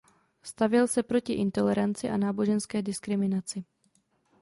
Stavěl se proti intoleranci a náboženské diskriminaci.